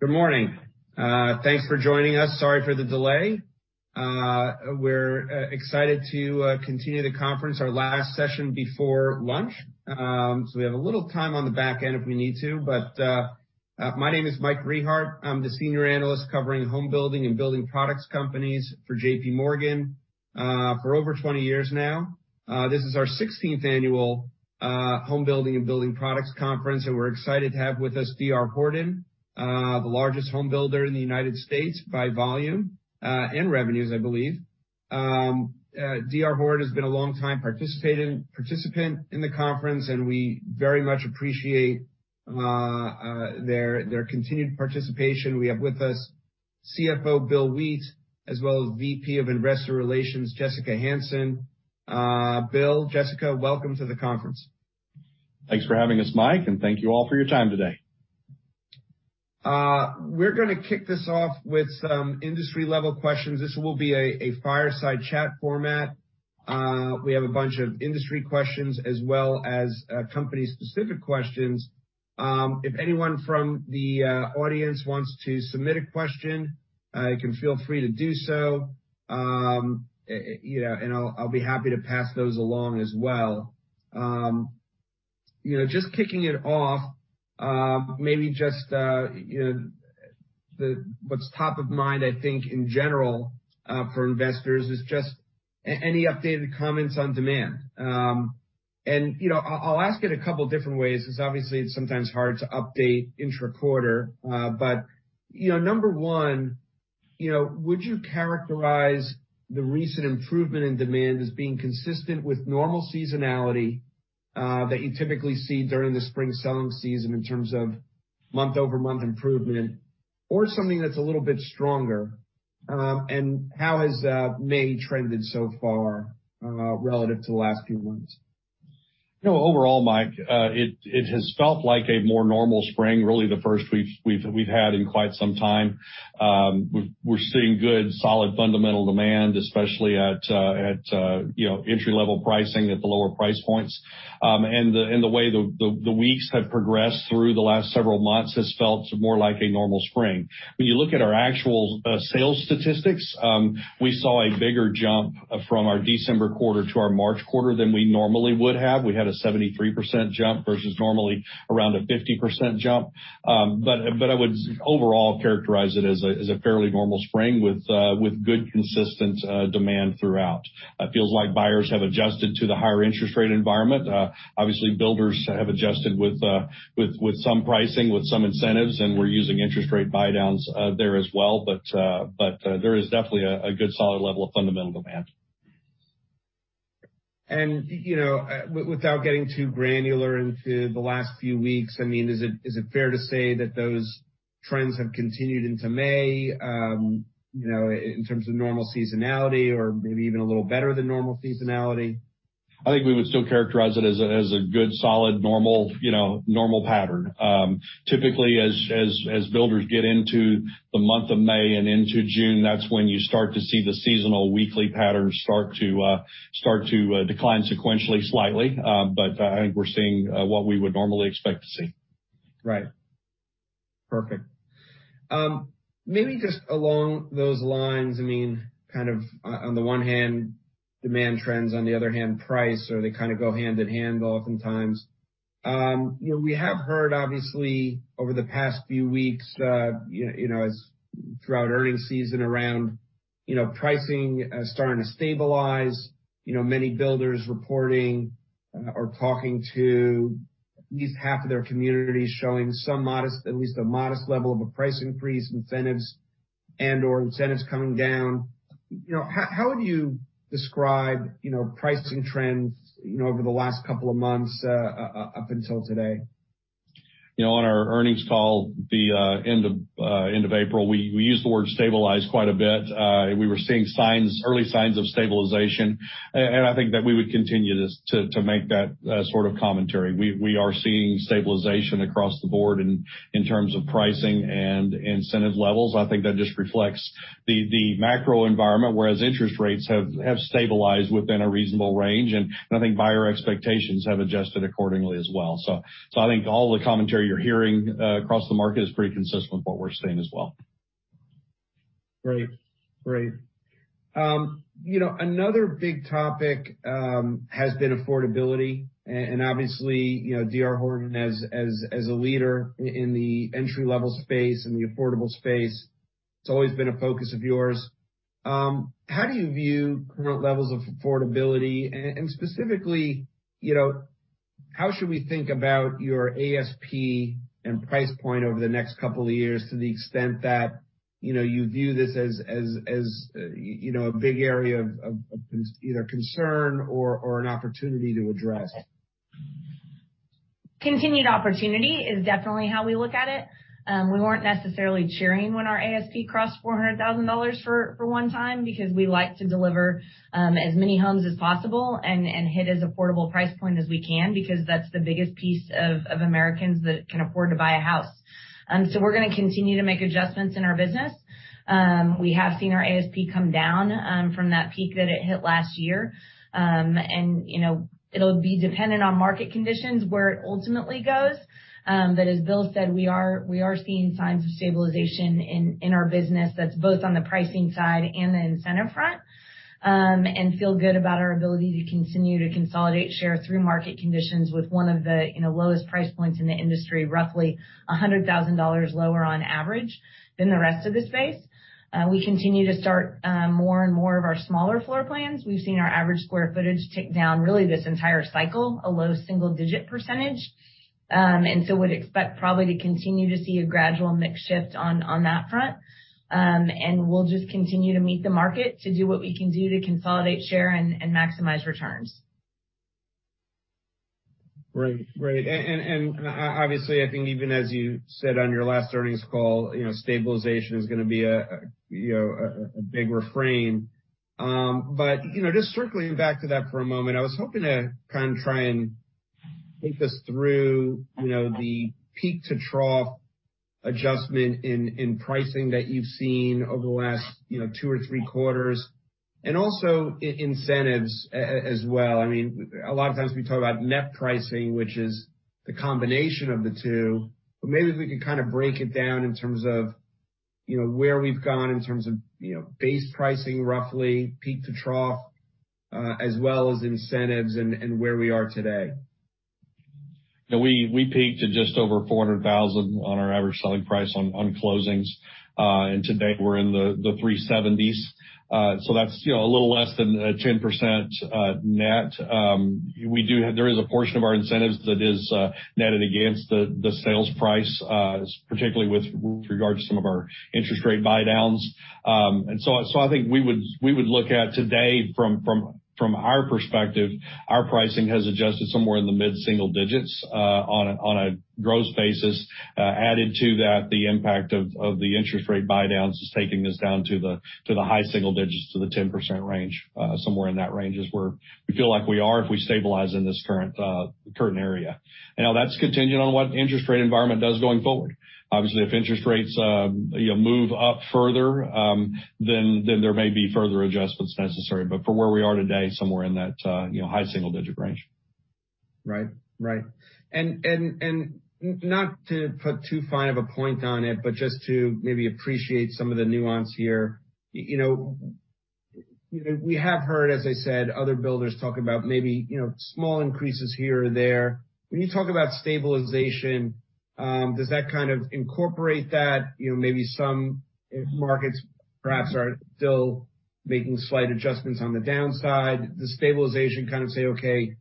Good morning. Thanks for joining us. Sorry for the delay. We're excited to continue the conference, our last session before lunch. We have a little time on the back end if we need to. My name is Mike Rehaut. I'm the senior analyst covering home building and building products companies for JP Morgan, for over 20 years now. This is our 16th annual Homebuilding & Building Products Conference, and we're excited to have with us DR Horton, the largest home builder in the United States by volume, and revenues, I believe. D.R. Horton has been a long time participant in the conference, and we very much appreciate their continued participation. We have with us CFO Bill Wheat as well as VP of Investor Relations, Jessica Hansen. Bill, Jessica, welcome to the conference. Thanks for having us, Mike, and thank you all for your time today. We're gonna kick this off with some industry-level questions. This will be a fireside chat format. We have a bunch of industry questions as well as company-specific questions. If anyone from the audience wants to submit a question, you can feel free to do so. And I'll be happy to pass those along as well. Just kicking it off, maybe just, what's top of mind, I think, in general, for investors is just any updated comments on demand. I'll ask it a couple different ways 'cause, obviously, it's sometimes hard to update intra-quarter. Number one, would you characterize the recent improvement in demand as being consistent with normal seasonality, that you typically see during the spring selling season in terms of month over month improvement or something that's a little bit stronger? How has May trended so far, relative to the last few months? Overall, Mike, it has felt like a more normal spring, really the first we've had in quite some time. We're seeing good, solid, fundamental demand, especially at, entry-level pricing at the lower price points. The way the weeks have progressed through the last several months has felt more like a normal spring. When you look at our actual sales statistics, we saw a bigger jump from our December quarter to our March quarter than we normally would have. We had a 73% jump versus normally around a 50% jump. I would overall characterize it as a fairly normal spring with good, consistent demand throughout. It feels like buyers have adjusted to the higher interest rate environment. Obviously builders have adjusted with some pricing, with some incentives, and we're using interest rate buydowns there as well. There is definitely a good solid level of fundamental demand. Without getting too granular into the last few weeks, is it fair to say that those trends have continued into May, in terms of normal seasonality or maybe even a little better than normal seasonality? I think we would still characterize it as a good, solid, normal, normal pattern. Typically as builders get into the month of May and into June, that's when you start to see the seasonal weekly patterns start to decline sequentially, slightly. I think we're seeing what we would normally expect to see. Right. Perfect. maybe just along those lines, kind of on the one hand, demand trends on the other hand, price, or they kind of go hand in hand oftentimes. We have heard obviously over the past few weeks, as throughout earnings season around, pricing, starting to stabilize. Many builders reporting or talking to at least half of their communities showing at least a modest level of a price increase, incentives and/or incentives coming down. How would you describe, pricing trends, over the last couple of months, up until today? On our earnings call the end of April, we used the word stabilize quite a bit. We were seeing early signs of stabilization. I think that we would continue to make that sort of commentary. We are seeing stabilization across the board in terms of pricing and incentive levels. I think that just reflects the macro environment, whereas interest rates have stabilized within a reasonable range, and I think buyer expectations have adjusted accordingly as well. I think all the commentary you're hearing across the market is pretty consistent with what we're seeing as well. Great. Great. Another big topic has been affordability. Obviously, DR Horton as a leader in the entry-level space and the affordable space, it's always been a focus of yours. How do you view current levels of affordability? Specifically, how should we think about your ASP and price point over the next couple of years to the extent that, you view this as, a big area of either concern or an opportunity to address? Continued opportunity is definitely how we look at it. We weren't necessarily cheering when our ASP crossed $400,000 for one time because we like to deliver as many homes as possible and hit as affordable price point as we can because that's the biggest piece of Americans that can afford to buy a house. We're gonna continue to make adjustments in our business. We have seen our ASP come down from that peak that it hit last year. You know, it'll be dependent on market conditions where it ultimately goes. As Bill said, we are seeing signs of stabilization in our business. That's both on the pricing side and the incentive front. Feel good about our ability to continue to consolidate share through market conditions with one of the in a lowest price points in the industry, roughly $100,000 lower on average than the rest of the space. We continue to start more and more of our smaller floor plans. We've seen our average square footage tick down really this entire cycle, a low single digit percentage. Would expect probably to continue to see a gradual mix shift on that front. We'll just continue to meet the market to do what we can do to consolidate share and maximize returns. Right. Right. Obviously, I think even as you said on your last earnings call, stabilization is gonna be a big refrain. Just circling back to that for a moment, I was hoping to kind of try and take us through the peak-to-trough adjustment in pricing that you've seen over the last, you know, two or three quarters, and also incentives as well. I mean, a lot of times we talk about net pricing, which is the combination of the two, maybe if we could kind of break it down in terms of, where we've gone in terms of base pricing, roughly peak to trough, as well as incentives and where we are today. We peaked at just over $400,000 on our average selling price on closings. Today we're in the $370s. That's, you know, a little less than 10% net. There is a portion of our incentives that is netted against the sales price, particularly with regard to some of our interest rate buydowns. So I think we would look at today from our perspective, our pricing has adjusted somewhere in the mid single digits on a gross basis. Added to that, the impact of the interest rate buydowns is taking this down to the high single digits to the 10% range. Somewhere in that range is where we feel like we are if we stabilize in this current area. Now that's contingent on what interest rate environment does going forward. Obviously, if interest rates move up further, then there may be further adjustments necessary. For where we are today, somewhere in that, you know, high single digit range. Right. Right. Not to put too fine of a point on it, just to maybe appreciate some of the nuance here, we have heard, as I said, other builders talk about maybe, small increases here or there. When you talk about stabilization, does that kind of incorporate that? Maybe some markets perhaps are still making slight adjustments on the downside. Does stabilization kind of say, okay,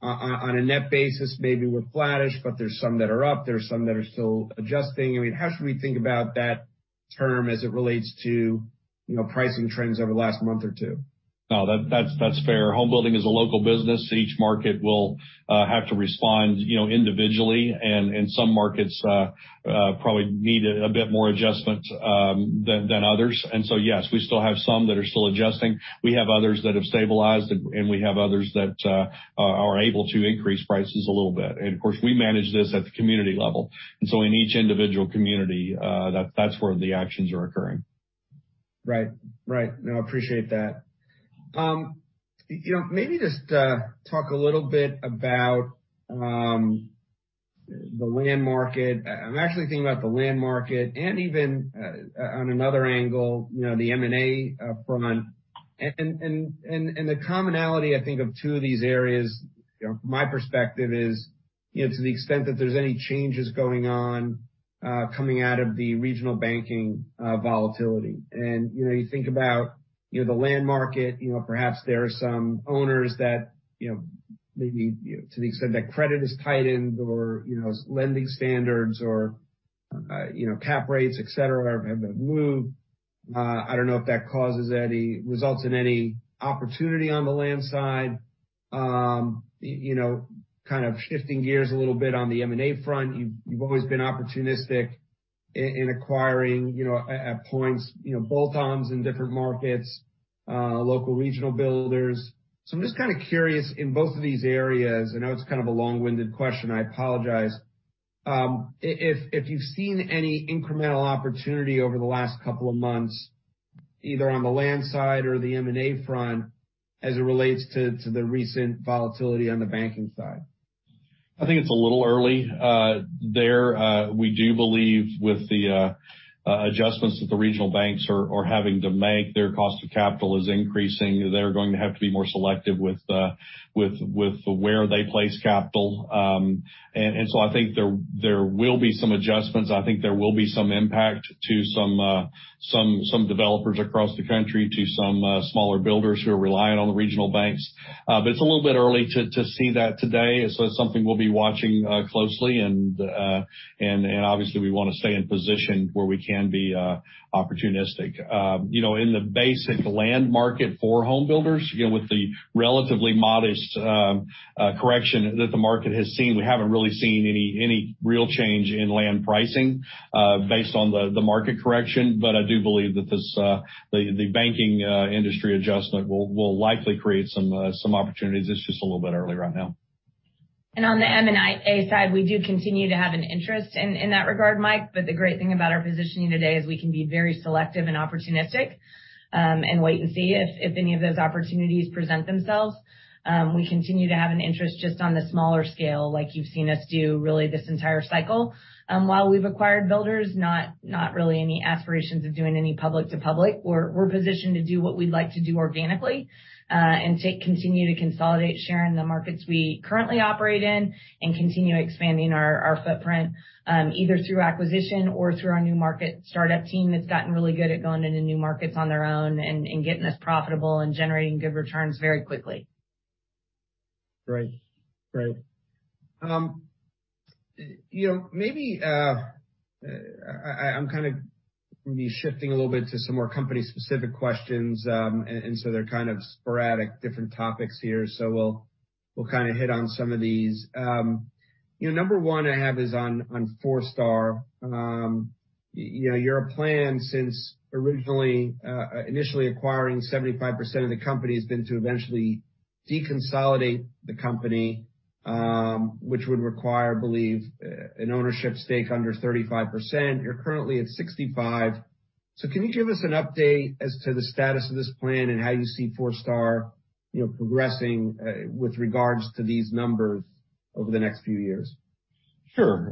on a net basis, maybe we're flattish, but there's some that are up, there's some that are still adjusting. I mean, how should we think about that term as it relates to, pricing trends over the last month or two? No, that's fair. Home building is a local business. Each market will have to respond, individually, and some markets probably need a bit more adjustment than others. Yes, we still have some that are still adjusting. We have others that have stabilized, and we have others that are able to increase prices a little bit. Of course, we manage this at the community level, and so in each individual community, that's where the actions are occurring. Right. Right. No, appreciate that. Maybe just talk a little bit about the land market. I'm actually thinking about the land market and even on another angle, you know, the M&A front. The commonality, I think, of two of these areas, from my perspective is, to the extent that there's any changes going on coming out of the regional banking volatility. You think about, the land market, perhaps there are some owners that, maybe to the extent that credit is tightened or, lending standards or, you know, cap rates, et cetera, have been moved. I don't know if that results in any opportunity on the land side. You know, kind of shifting gears a little bit on the M&A front, you've always been opportunistic in acquiring, you know, at points, bolt ons in different markets, local regional builders. I'm just kind of curious in both of these areas, I know it's kind of a long-winded question, I apologize. If you've seen any incremental opportunity over the last couple of months, either on the land side or the M&A front as it relates to the recent volatility on the banking side. I think it's a little early there. We do believe with the adjustments that the regional banks are having to make, their cost of capital is increasing. They're going to have to be more selective with where they place capital. I think there will be some adjustments. I think there will be some impact to some developers across the country to some smaller builders who are reliant on the regional banks. But it's a little bit early to see that today. It's something we'll be watching closely. Obviously, we wanna stay in position where we can be opportunistic. In the basic land market for home builders, you know, with the relatively modest correction that the market has seen, we haven't really seen any real change in land pricing based on the market correction. I do believe that this the banking industry adjustment will likely create some opportunities. It's just a little bit early right now. On the M&A side, we do continue to have an interest in that regard, Mike, but the great thing about our positioning today is we can be very selective and opportunistic, and wait and see if any of those opportunities present themselves. We continue to have an interest just on the smaller scale, like you've seen us do really this entire cycle. While we've acquired builders, not really any aspirations of doing any public to public. We're positioned to do what we'd like to do organically, and continue to consolidate share in the markets we currently operate in and continue expanding our footprint, either through acquisition or through our new market startup team that's gotten really good at going into new markets on their own and getting us profitable and generating good returns very quickly. Right. Right. Maybe, I'm kind of gonna be shifting a little bit to some more company-specific questions, and so they're kind of sporadic, different topics here. We'll kind of hit on some of these. Number one I have is on Forestar. Your plan since originally initially acquiring 75% of the company has been to eventually deconsolidate the company, which would require, I believe, an ownership stake under 35%. You're currently at 65%. Can you give us an update as to the status of this plan and how you see Forestar, progressing with regards to these numbers over the next few years? Sure.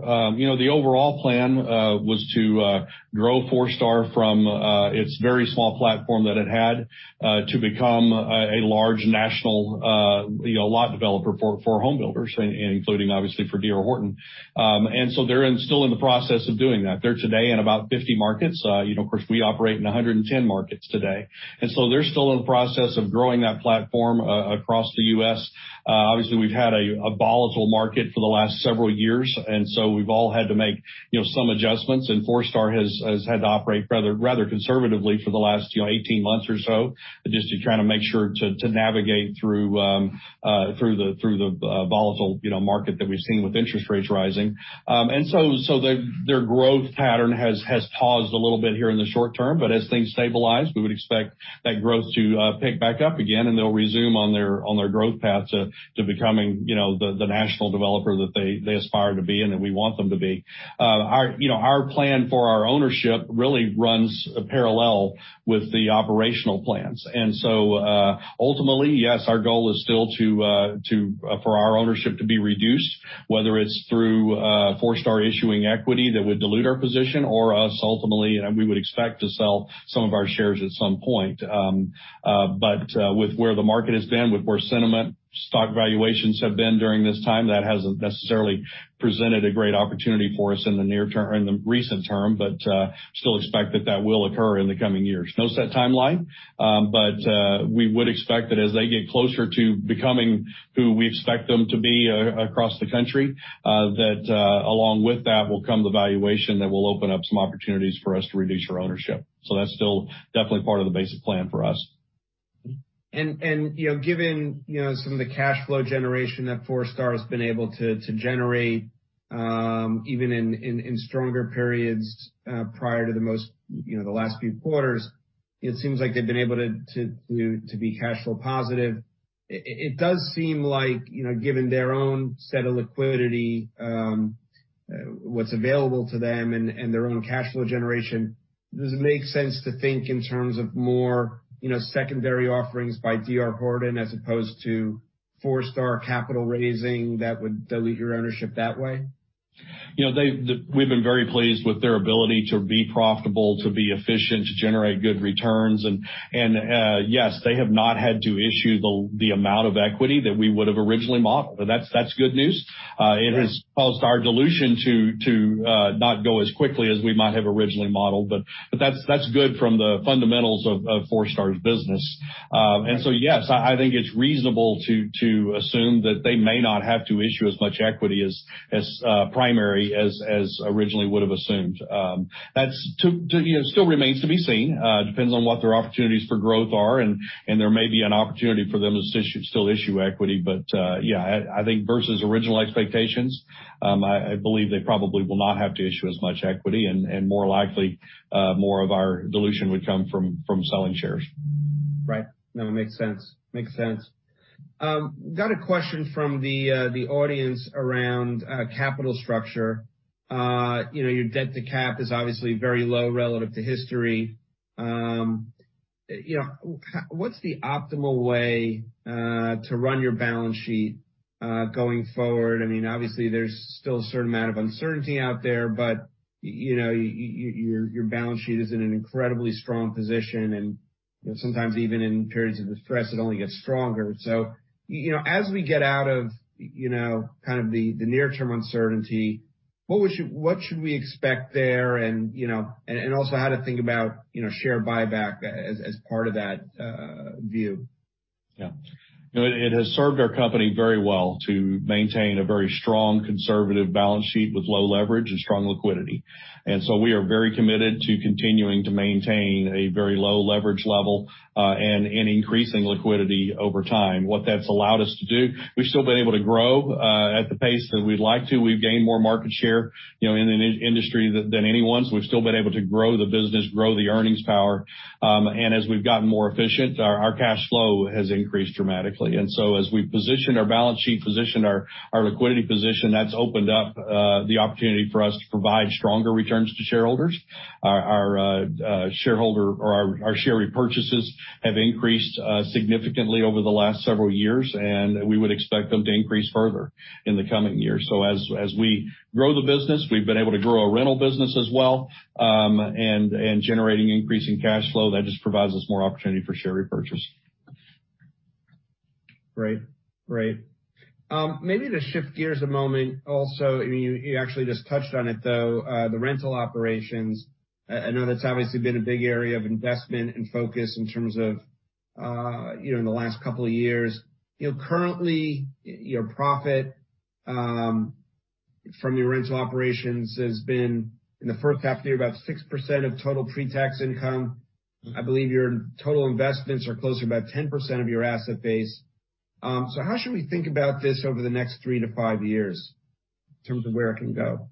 The overall plan was to grow Forestar from its very small platform that it had to become a large national, you know, lot developer for home builders, including obviously for DR Horton. They're still in the process of doing that. They're today in about 50 markets. Of course, we operate in 110 markets today. They're still in the process of growing that platform across the U.S. Obviously, we've had a volatile market for the last several years, we've all had to make, some adjustments. Forestar has had to operate rather conservatively for the last, you know, 18 months or so, just to kind of make sure to navigate through the volatile, you know, market that we've seen with interest rates rising. So their growth pattern has paused a little bit here in the short term, but as things stabilize, we would expect that growth to pick back up again, and they'll resume on their, on their growth path to becoming, the national developer that they aspire to be and that we want them to be. Our plan for our ownership really runs parallel with the operational plans. Ultimately, yes, our goal is still to for our ownership to be reduced, whether it's through Forestar issuing equity that would dilute our position or us ultimately, and we would expect to sell some of our shares at some point. With where the market has been, with where sentiment stock valuations have been during this time, that hasn't necessarily presented a great opportunity for us in the near term or in the recent term, but still expect that that will occur in the coming years. No set timeline, we would expect that as they get closer to becoming who we expect them to be across the country, that along with that will come the valuation that will open up some opportunities for us to reduce our ownership. That's still definitely part of the basic plan for us. Given some of the cash flow generation that Forestar has been able to generate, even in stronger periods, prior to the most, the last few quarters, it seems like they've been able to be cash flow positive. It does seem like, given their own set of liquidity, what's available to them and their own cash flow generation, does it make sense to think in terms of more, secondary offerings by DR Horton as opposed to Forestar capital raising that would delete your ownership that way? We've been very pleased with their ability to be profitable, to be efficient, to generate good returns. Yes, they have not had to issue the amount of equity that we would have originally modeled, but that's good news. It has caused our dilution to not go as quickly as we might have originally modeled. That's good from the fundamentals of Forestar's business. Yes, I think it's reasonable to assume that they may not have to issue as much equity as primary as originally would have assumed. That's, still remains to be seen. It depends on what their opportunities for growth are, and there may be an opportunity for them to still issue equity. Yeah, I think versus original expectations, I believe they probably will not have to issue as much equity, and more likely, more of our dilution would come from selling shares. Right. No, it makes sense. Makes sense. Got a question from the audience around capital structure. Your debt-to-capital is obviously very low relative to history. What's the optimal way to run your balance sheet going forward? I mean, obviously, there's still a certain amount of uncertainty out there, your balance sheet is in an incredibly strong position, and, you know, sometimes even in periods of distress, it only gets stronger. As we get out of, kind of the near-term uncertainty, what should we expect there and, and also how to think about, share buyback as part of that view? Yeah. No, it has served our company very well to maintain a very strong conservative balance sheet with low leverage and strong liquidity. We are very committed to continuing to maintain a very low leverage level and increasing liquidity over time. What that's allowed us to do, we've still been able to grow at the pace that we'd like to. We've gained more market share, in an industry than anyone, we've still been able to grow the business, grow the earnings power. As we've gotten more efficient, our cash flow has increased dramatically. As we position our balance sheet, position our liquidity position, that's opened up the opportunity for us to provide stronger returns to shareholders. Our shareholder or our share repurchases have increased significantly over the last several years. We would expect them to increase further in the coming years. As we grow the business, we've been able to grow our rental business as well, and generating increasing cash flow, that just provides us more opportunity for share repurchase. Great. Great. Maybe to shift gears a moment also, I mean, you actually just touched on it, though, the rental operations. I know that's obviously been a big area of investment and focus in terms of, you know, in the last couple of years. Currently your profit, from your rental operations has been, in the first half of the year, about 6% of total pre tax income. I believe your total investments are closer to about 10% of your asset base. How should we think about this over the next three to five years in terms of where it can go?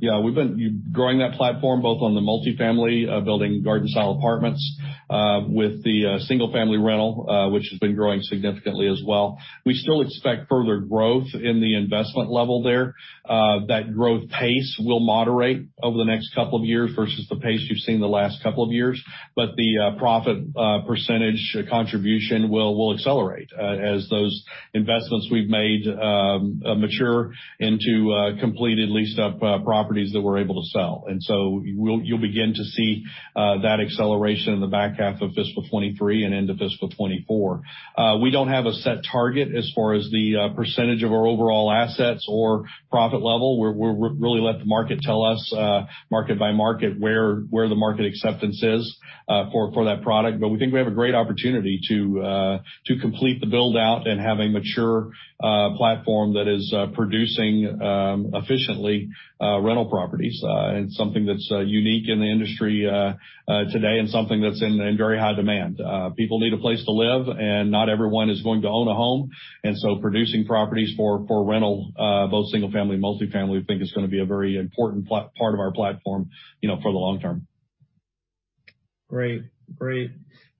Yeah. We've been growing that platform both on the multifamily, building garden style apartments, with the single family rental, which has been growing significantly as well. We still expect further growth in the investment level there. That growth pace will moderate over the next couple of years versus the pace you've seen the last couple of years. The profit percentage contribution will accelerate as those investments we've made mature into completed leased up properties that we're able to sell. You'll begin to see that acceleration in the back half of fiscal 2023 and into fiscal 2024. We don't have a set target as far as the percentage of our overall assets or profit level. We're really let the market tell us, market by market, where the market acceptance is for that product. We think we have a great opportunity to complete the build out and have a mature platform that is producing efficiently rental properties. Something that's unique in the industry today and something that's in very high demand. People need a place to live, and not everyone is going to own a home. Producing properties for rental, both single family and multifamily, we think is gonna be a very important part of our platform, for the long term. Great.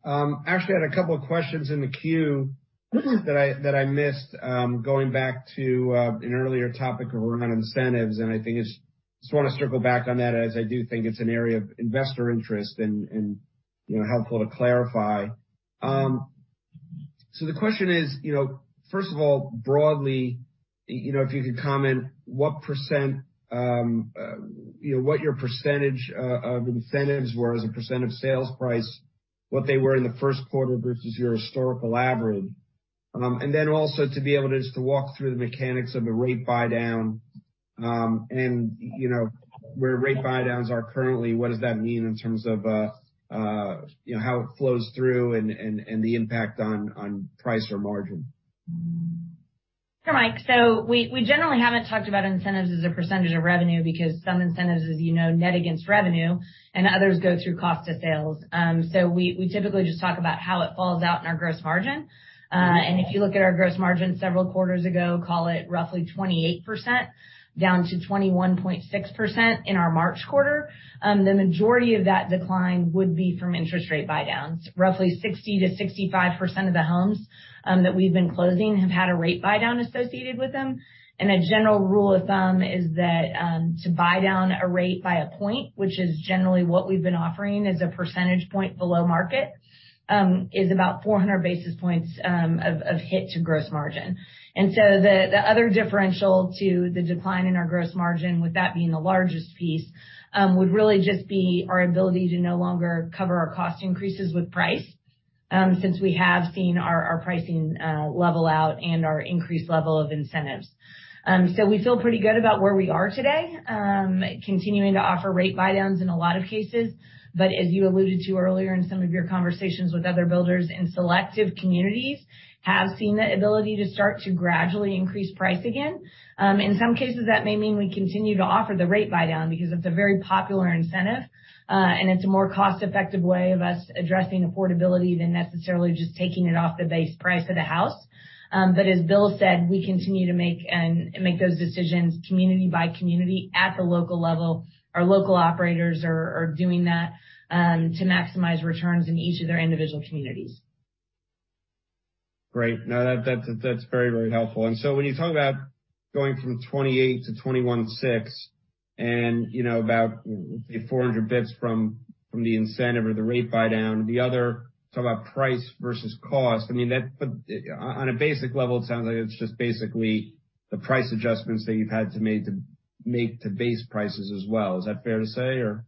Actually had a couple of questions in the queue that I missed, going back to an earlier topic around incentives, and I think it's just wanna circle back on that as I do think it's an area of investor interest and, helpful to clarify. The question is, first of all, broadly, if you could comment what percent, what your percentage of incentives were as a percent of sales price, what they were in the first quarter versus your historical average. Then also to be able to just to walk through the mechanics of the rate buydown, and, you know, where rate buydowns are currently, what does that mean in terms of, you know, how it flows through and the impact on price or margin? Sure, Mike. We generally haven't talked about incentives as a percentage of revenue because some incentives, as you know, net against revenue and others go through cost of sales. We typically just talk about how it falls out in our gross margin. If you look at our gross margin several quarters ago, call it roughly 28%, down to 21.6% in our March quarter, the majority of that decline would be from interest rate buydowns. Roughly 60%-65% of the homes that we've been closing have had a rate buydown associated with them. A general rule of thumb is that to buydown a rate by a point, which is generally what we've been offering as a percentage point below market, is about 400 basis points of hit to gross margin. The other differential to the decline in our gross margin, with that being the largest piece, would really just be our ability to no longer cover our cost increases with price, since we have seen our pricing, level out and our increased level of incentives. We feel pretty good about where we are today, continuing to offer rate buydowns in a lot of cases. As you alluded to earlier in some of your conversations with other builders in selective communities, have seen the ability to start to gradually increase price again. In some cases, that may mean we continue to offer the rate buydown because it's a very popular incentive, and it's a more cost effective way of us addressing affordability than necessarily just taking it off the base price of the house. As Bill said, we continue to make those decisions community by community at the local level. Our local operators are doing that, to maximize returns in each of their individual communities. Great. No, that's very, very helpful. When you talk about going from 28%-21.6% and, you know, about, say, 400 basis points from the incentive or the rate buydown, the other talk about price versus cost. I mean, that, but on a basic level, it sounds like it's just basically the price adjustments that you've had to make to base prices as well. Is that fair to say or?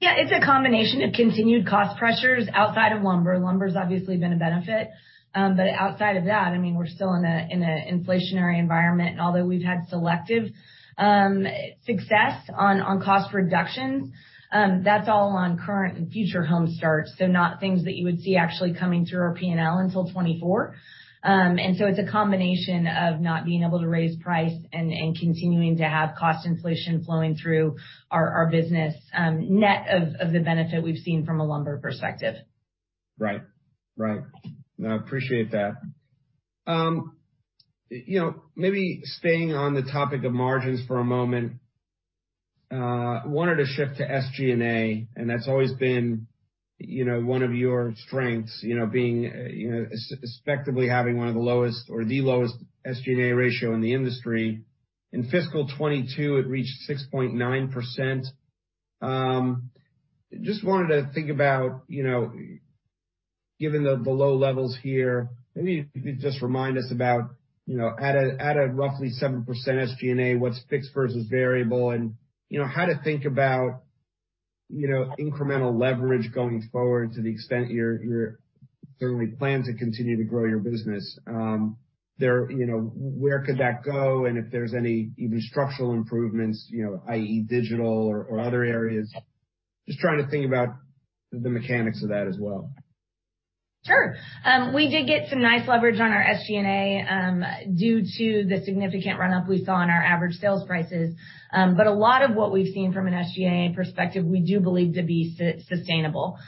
Yeah, it's a combination of continued cost pressures outside of lumber. Lumber's obviously been a benefit. Outside of that, I mean, we're still in an inflationary environment. Although we've had selective success on cost reductions, that's all on current and future home starts. Not things that you would see actually coming through our P&L until 2024. It's a combination of not being able to raise price and continuing to have cost inflation flowing through our business, net of the benefit we've seen from a lumber perspective. Right. Right. No, I appreciate that. You know, maybe staying on the topic of margins for a moment, wanted to shift to SG&A. That's always been, you know, one of your strengths, you know, being, you know, respectably having one of the lowest or the lowest SG&A ratio in the industry. In fiscal 2022, it reached 6.9%. Just wanted to think about, you know, given the low levels here, maybe you could just remind us about, you know, at a, at a roughly 7% SG&A, what's fixed versus variable and, you know, how to think about, you know, incremental leverage going forward to the extent you're certainly plan to continue to grow your business. There, you know, where could that go? If there's any even structural improvements, i.e., digital or other areas? Just trying to think about the mechanics of that as well. Sure. We did get some nice leverage on our SG&A due to the significant run up we saw in our average sales prices. A lot of what we've seen from an SG&A perspective, we do believe to be sustainable.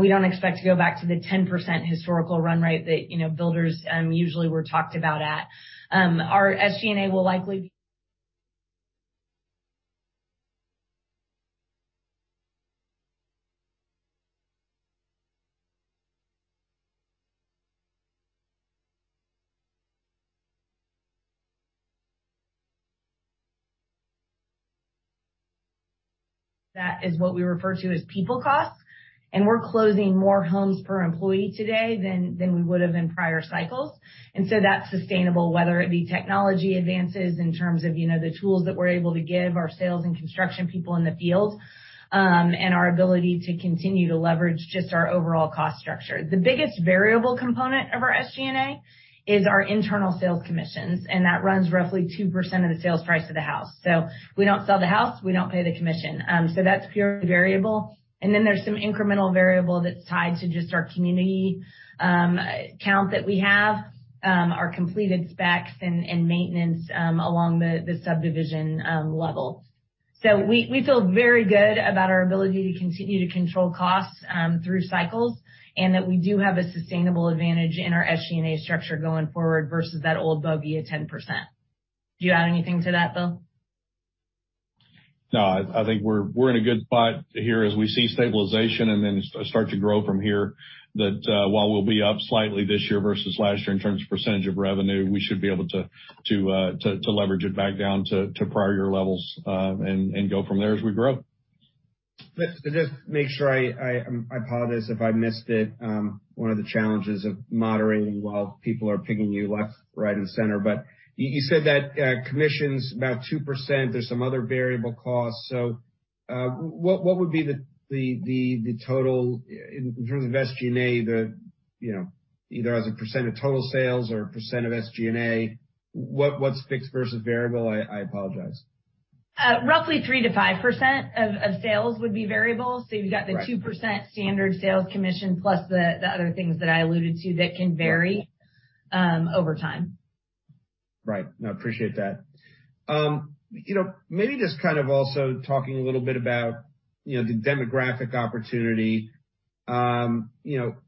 We don't expect to go back to the 10% historical run rate that, you know, builders usually were talked about at. That is what we refer to as people costs, and we're closing more homes per employee today than we would have in prior cycles. That's sustainable, whether it be technology advances in terms of, you know, the tools that we're able to give our sales and construction people in the field, and our ability to continue to leverage just our overall cost structure. The biggest variable component of our SG&A is our internal sales commissions, that runs roughly 2% of the sales price of the house. If we don't sell the house, we don't pay the commission. That's purely variable. Then there's some incremental variable that's tied to just our community count that we have, our completed specs and maintenance along the subdivision level. We feel very good about our ability to continue to control costs through cycles, and that we do have a sustainable advantage in our SG&A structure going forward versus that old bogey at 10%. Do you add anything to that, Bill? I think we're in a good spot here as we see stabilization and then start to grow from here. While we'll be up slightly this year versus last year in terms of percentage of revenue, we should be able to leverage it back down to prior year levels and go from there as we grow. Just to make sure I apologize if I missed it, one of the challenges of moderating while people are pinging you left, right, and center. You said that commission's about 2%. There's some other variable costs. What would be the total in terms of SG&A, you know, either as a percent of total sales or a percent of SG&A, what's fixed versus variable? I apologize. Roughly 3%-5% of sales would be variable. You've got the 2% standard sales commission plus the other things that I alluded to that can vary over time. Right. No, appreciate that. Maybe just kind of also talking a little bit about, the demographic opportunity. Freedom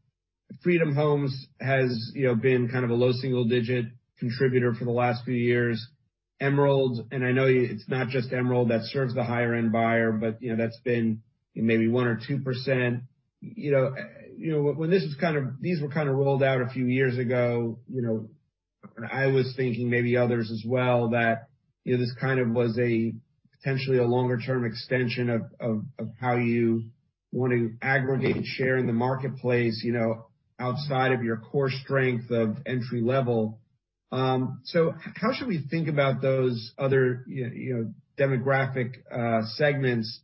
Homes has, been kind of a low single digit contributor for the last few years. Emerald, and I know it's not just Emerald that serves the higher end buyer, that's been maybe 1% or 2%. When these were kind of rolled out a few years ago, and I was thinking maybe others as well, that this kind of was a potentially a longer-term extension of how you want to aggregate share in the marketplace, outside of your core strength of entry-level. How should we think about those other demographic segments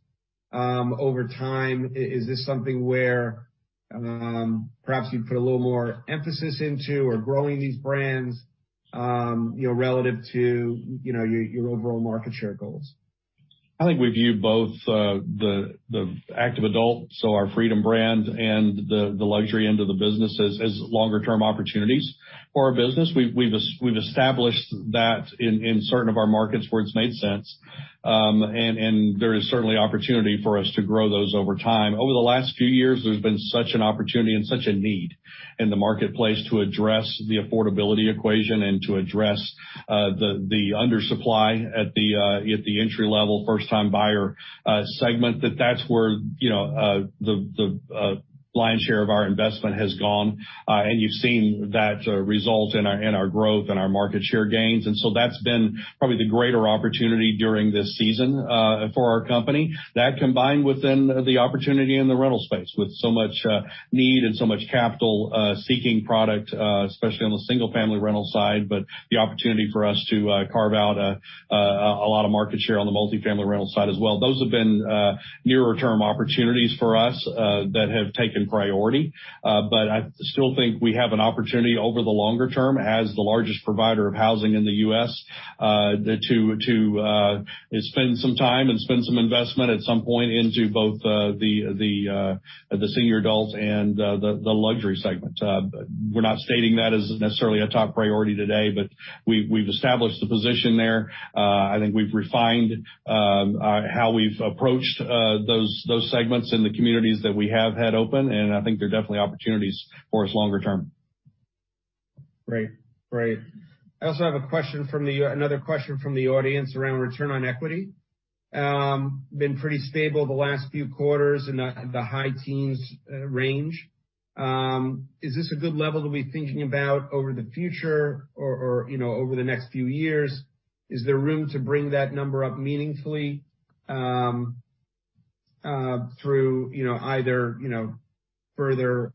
over time? Is this something where, perhaps you'd put a little more emphasis into or growing these brands, relative to your overall market share goals? I think we view both the active adult, so our Freedom brand and the luxury end of the business as longer term opportunities for our business. We've established that in certain of our markets where it's made sense. There is certainly opportunity for us to grow those over time. Over the last few years, there's been such an opportunity and such a need in the marketplace to address the affordability equation and to address the undersupply at the entry level first time buyer segment that that's where, the lion's share of our investment has gone. You've seen that result in our growth and our market share gains. That's been probably the greater opportunity during this season for our company. That combined within the opportunity in the rental space with so much need and so much capital seeking product, especially on the single family rental side, but the opportunity for us to carve out a lot of market share on the multifamily rental side as well. Those have been nearer term opportunities for us that have taken priority. I still think we have an opportunity over the longer term as the largest provider of housing in the U.S. to spend some time and spend some investment at some point into both the senior adults and the luxury segment. We're not stating that as necessarily a top priority today, but we've established the position there. I think we've refined how we've approached those segments in the communities that we have had open, and I think they're definitely opportunities for us longer term. Great. Great. I also have another question from the audience around return on equity. Been pretty stable the last few quarters in the high teens range. Is this a good level to be thinking about over the future or, over the next few years? Is there room to bring that number up meaningfully through, either further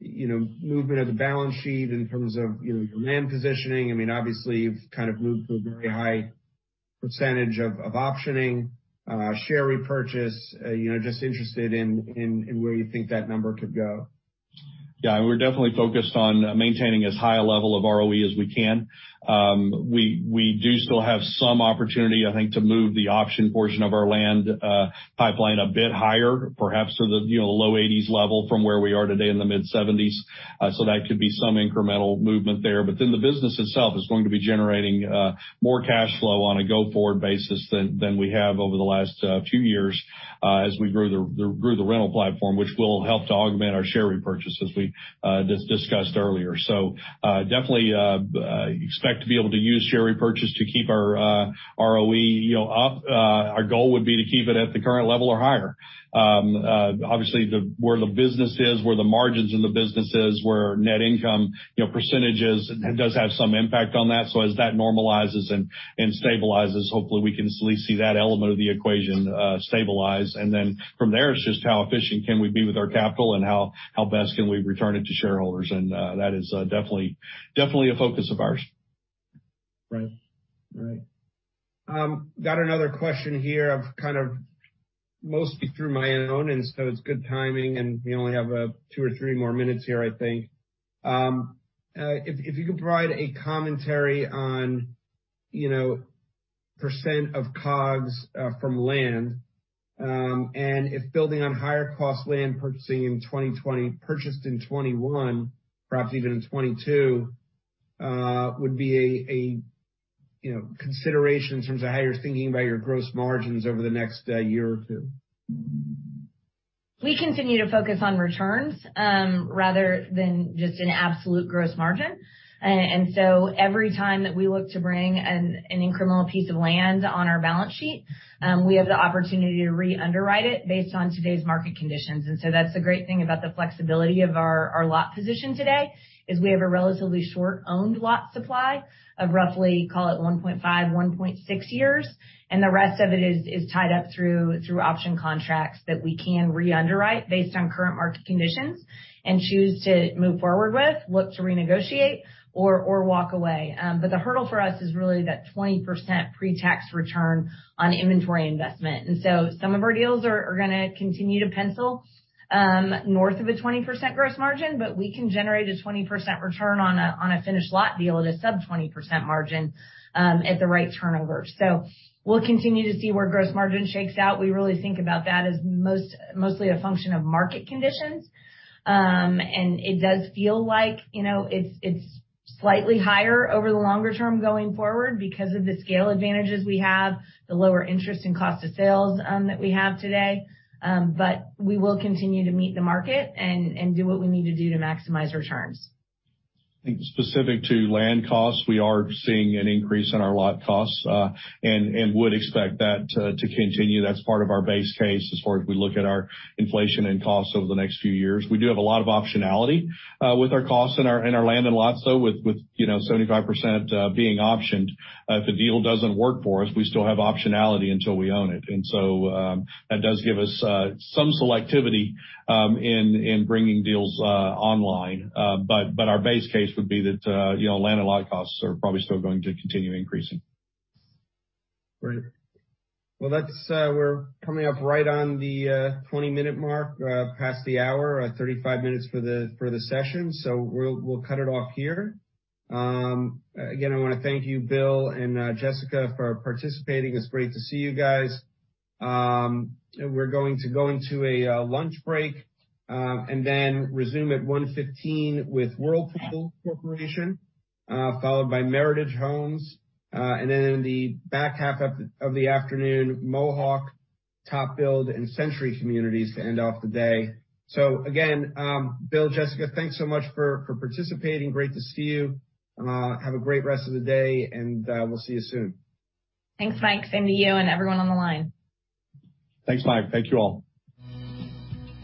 movement of the balance sheet in terms of, your land positioning? I mean, obviously, you've kind of moved to a very high percentage of optioning, share repurchase. Just interested in where you think that number could go. Yeah. We're definitely focused on maintaining as high a level of ROE as we can. We do still have some opportunity, I think, to move the option portion of our land pipeline a bit higher, perhaps to the, you know, low 80s level from where we are today in the mid 70s. That could be some incremental movement there. The business itself is going to be generating more cash flow on a go-forward basis than we have over the last few years as we grow the rental platform, which will help to augment our share repurchase as we discussed earlier. Definitely expect to be able to use share repurchase to keep our ROE, you know, up. Our goal would be to keep it at the current level or higher. Obviously where the business is, where the margins in the business is, where net income, you know, percentage is, it does have some impact on that. As that normalizes and stabilizes, hopefully we can slowly see that element of the equation stabilize. Then from there, it's just how efficient can we be with our capital and how best can we return it to shareholders? That is definitely a focus of ours. Right. Got another question here. I've kind of mostly through my own, and so it's good timing, and we only have two or three more minutes here, I think. If you could provide a commentary on, percent of COGS from land, and if building on higher cost land purchasing in 2020, purchased in 2021, perhaps even in 2022, would be a consideration in terms of how you're thinking about your gross margins over the next year or two. We continue to focus on returns, rather than just an absolute gross margin. Every time that we look to bring an incremental piece of land on our balance sheet, we have the opportunity to re-underwrite it based on today's market conditions. That's the great thing about the flexibility of our lot position today, is we have a relatively short owned lot supply of roughly, call it 1.5-1.6 years, and the rest of it is tied up through option contracts that we can reunderwrite based on current market conditions and choose to move forward with, look to renegotiate or walk away. The hurdle for us is really that 20% pre tax return on inventory investment. Some of our deals are gonna continue to pencil, north of a 20% gross margin, but we can generate a 20% return on a finished lot deal at a sub 20% margin, at the right turnover. We'll continue to see where gross margin shakes out. We really think about that as mostly a function of market conditions. It does feel like, it's slightly higher over the longer term going forward because of the scale advantages we have, the lower interest in cost of sales, that we have today. We will continue to meet the market and do what we need to do to maximize returns. I think specific to land costs, we are seeing an increase in our lot costs, and would expect that to continue. That's part of our base case as far as we look at our inflation and costs over the next few years. We do have a lot of optionality with our costs and our land and lots, though, with, you know, 75% being optioned. If the deal doesn't work for us, we still have optionality until we own it. So, that does give us some selectivity in bringing deals online. Our base case would be that, land and lot costs are probably still going to continue increasing. Great. Well, that's, we're coming up right on the 20 minute mark, past the hour, 35 minutes for the session. We'll cut it off here. Again, I wanna thank you, Bill and Jessica, for participating. It's great to see you guys. We're going to go into a lunch break, then resume at 1:15 P.M. with World Kinect Corporation, followed by Meritage Homes. Then in the back half of the afternoon, Mohawk, TopBuild Corp., and Century Communities to end off the day. Again, Bill, Jessica, thanks so much for participating. Great to see you. Have a great rest of the day, and we'll see you soon. Thanks, Mike. Same to you and everyone on the line. Thanks, Mike. Thank you all.